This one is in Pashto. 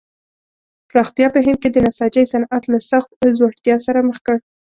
پراختیا په هند کې د نساجۍ صنعت له سخت ځوړتیا سره مخ کړ.